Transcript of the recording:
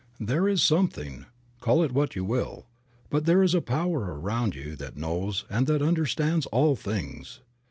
There is something, call it what you will, but there is a Power around you that knows and that understands all things.